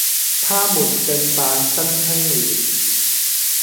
他們正辦《新青年》，